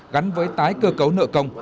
gắn với tái cơ cấu nợ công